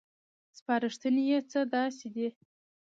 سپارښتنې یې څه داسې دي: